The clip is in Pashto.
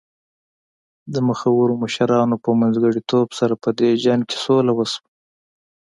د مخورو مشرانو په منځګړیتوب سره په دې جنګ کې سوله وشوه.